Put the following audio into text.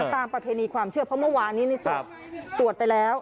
ประเพณีความเชื่อเพราะเมื่อวานนี้สวดไปแล้ว